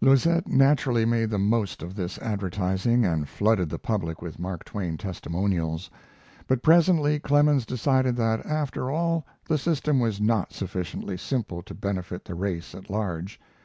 Loisette naturally made the most of this advertising and flooded the public with Mark Twain testimonials. But presently Clemens decided that after all the system was not sufficiently simple to benefit the race at large.